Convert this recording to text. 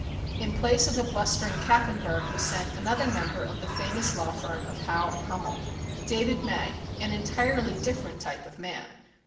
In place of the blustering Kaffenburgh was sent another member of the famous law firm of Howe and Hummel, David May, an entirely different type of man.